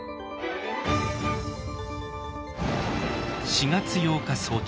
４月８日早朝。